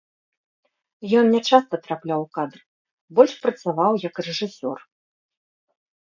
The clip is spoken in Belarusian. Ён нячаста трапляў у кадр, больш працаваў як рэжысёр.